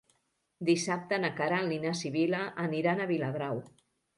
Dissabte na Queralt i na Sibil·la aniran a Viladrau.